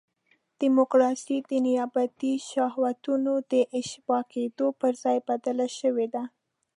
ډیموکراسي د نیابتي شهوتونو د اشباع کېدو پر ځای بدله شوې ده.